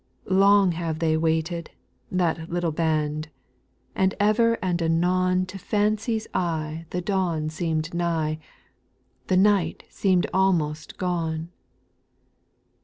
4. Long have they waited — that little band, And ever and anon SPIRITUAL SONGS, 167 To fancy's eye the dawn seem'd nigh, — The night seem'd almost gone.